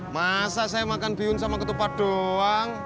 masa saya makan bihun sama ketupat doang